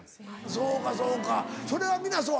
そうかそうかそれは皆そう。